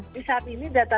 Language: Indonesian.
di saat ini data